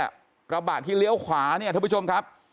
ส่วนกระบะเนี่ยกระบะที่เลี้ยวขวาเนี่ยท่านผู้ชมครับ